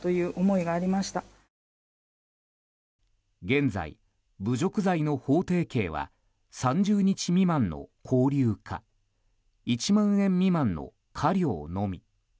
現在、侮辱罪の法定刑は３０日未満の拘留か１万円未満の科料のみ。